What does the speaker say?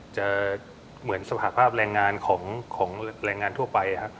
จะเหมือนสหภาพแรงงานของแรงงานทั่วไป